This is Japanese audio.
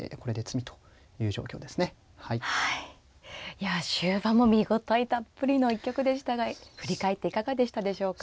いや終盤も見応えたっぷりの一局でしたが振り返っていかがでしたでしょうか。